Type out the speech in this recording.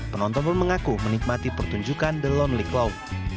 penonton pun mengaku menikmati pertunjukan the lonely cloud